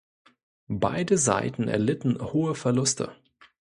Beide Seiten erlitten hohe Verluste.